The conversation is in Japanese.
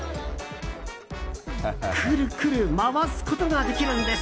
くるくる回すことができるんです。